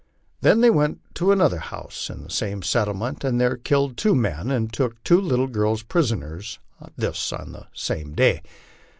They then went to another house in the same settlement, and there killed two men and took two little girls prisoners ; this on the same day.